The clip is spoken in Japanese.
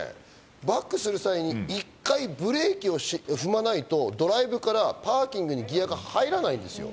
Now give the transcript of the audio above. バックする際に１回ブレーキを踏まないとドライブからパーキングにギアが入らないんですよ。